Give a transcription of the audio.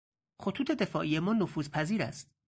خطوط دفاعی ما نفوذپذیر است.